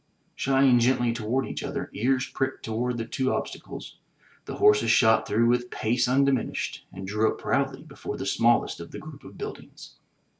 Shying gently toward each other, ears pricked toward the two obstacles, the horses shot through with pace imdiminished and drew up proudly before the smallest of the group of buildings.